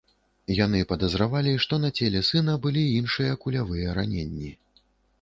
Яны падазравалі, што на целе сына былі іншыя кулявыя раненні.